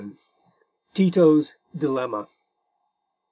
Tito's Dilemma.